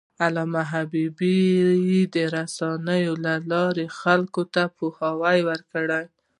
علامه حبيبي د رسنیو له لارې خلکو ته پوهاوی ورکړی.